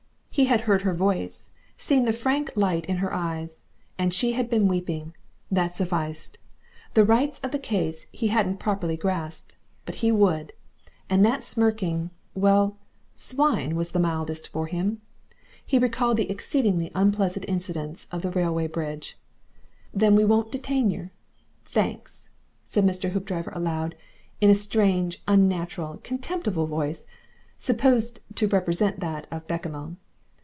He had heard her voice, seen the frank light in her eyes, and she had been weeping that sufficed. The rights of the case he hadn't properly grasped. But he would. And that smirking well, swine was the mildest for him. He recalled the exceedingly unpleasant incident of the railway bridge. "Thin we won't detain yer, thenks," said Mr. Hoopdriver, aloud, in a strange, unnatural, contemptible voice, supposed to represent that of Bechamel.